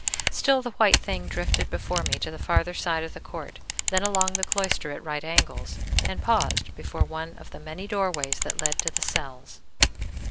Still the white thing drifted before me to the farther side of the court, then along the cloister at right angles, and paused before one of the many doorways that led to the cells.